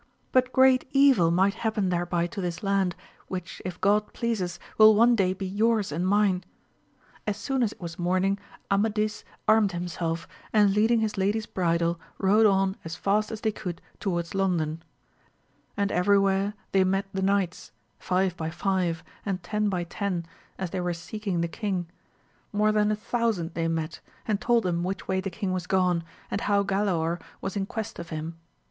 but great evil might happea thereby to this land, which if God pleases will one day be yours and mine. As soon as it was morning Amadis armed himself, and leading his lady's bridle, rode on as fast as they could towards London ; and everywhere they met the knights, five by five, and ten by ten, as they were seeking the king ; more than a thousand they met, and told them which way the king was gone, and how Galaor was in quest of him.